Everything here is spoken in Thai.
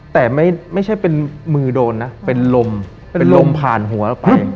แต่ไม่ใช่เป็นมือโดนนะเป็นลมเป็นลมผ่านหัวเราไป